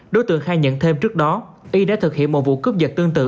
đối tượng khai nhận thêm trước đó y đã thực hiện một vụ cướp dật tương tự